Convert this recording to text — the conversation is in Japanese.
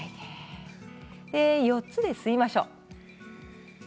４つで吸いましょう。